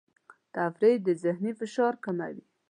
تفریح د ذهني فشار کموي.